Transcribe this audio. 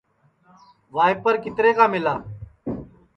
وائیپر کِترے کا مِلا